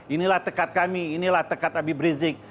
inilah tekad kami inilah tekad abib rizik